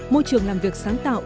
môi trường làm việc sáng tạo